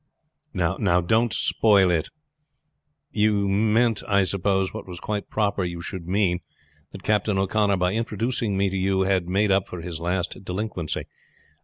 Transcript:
"Now, don't spoil it. You meant I suppose, what was quite proper you should mean, that Captain O'Connor by introducing me to you had made up for his last delinquency."